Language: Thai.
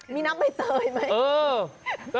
มีน้ำใบเตยไหม